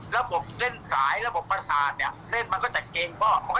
ระบบเส้นสายระบบประสาทเนี่ยเส้นมันก็จะเกรงป้อง